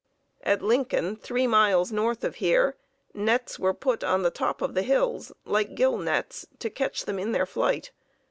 At Lincoln, three miles north of here, nets were put on the top of the hills, like gill nets, to catch them in their flight.